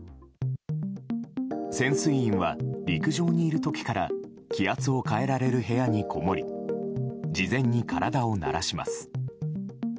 潜水員は陸上にいる時から気圧を変えられる部屋にこもり事前に体を慣らします。